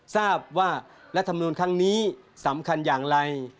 ทราบว่ารัฐมนูลครั้งนี้สำคัญอย่างไร